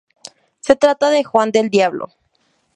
Se trata de Juan del Diablo.